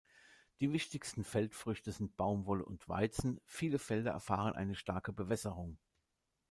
Die wichtigsten Feldfrüchte sind Baumwolle und Weizen; viele Felder erfahren eine starke Bewässerung.